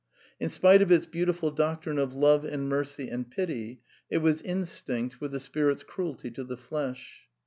In spite of its beautiful doctrine of love and mercy/ and pity, it was instinct with the spirit's cruelty to the! flesh.